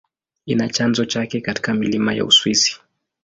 Ina chanzo chake katika milima ya Uswisi.